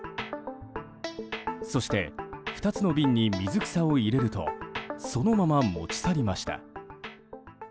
そして、２つの瓶に水草を入れるとそのまま持ち去りました。